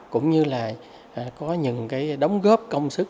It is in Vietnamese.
cũng như là có những cái đóng góp công sức